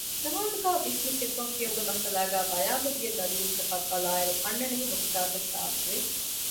ނަމާދުގައި ބިސްމި ސިއްރުން ކިއުމުގެ މައްސަލާގައި ބަޔާންވެދިޔަ ދަލީލުތަކަށް ބަލާއިރު އަންނަނިވި ނުކުތާތައް ސާބިތުވެ